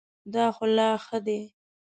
دا خو لا ښه دی .